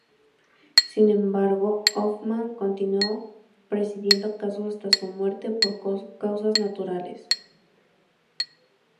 Sin embargo, Hoffman continuó presidiendo casos hasta su muerte por causas naturales.